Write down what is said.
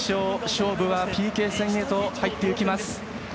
勝負はＰＫ戦へと入っていきます。